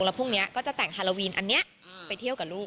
แล้วพรุ่งนี้ก็จะแต่งฮาโลวีนอันนี้ไปเที่ยวกับลูก